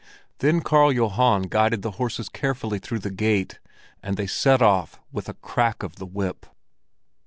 Then Karl Johan guided the horses carefully through the gate, and they set off with a crack of the whip.